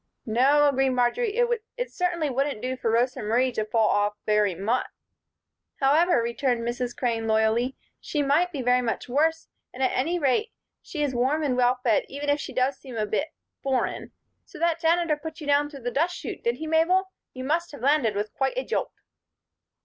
"No," agreed Marjory, "it certainly wouldn't do for Rosa Marie to fall off very much." "However," returned Mrs. Crane, loyally, "she might be very much worse and at any rate she is warm and well fed, even if she does seem a bit foreign. So that Janitor put you down through the dust chute, did he, Mabel? You must have landed with quite a jolt."